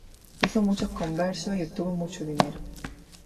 Hizo muchos conversos y obtuvo mucho dinero.